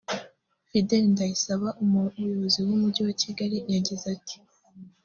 Fidele Ndayisaba Umuyobozi w’Umujyi wa Kigali yagize ati